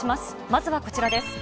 まずはこちらです。